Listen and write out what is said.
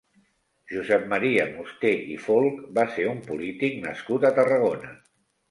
Josep Maria Musté i Folch va ser un polític nascut a Tarragona.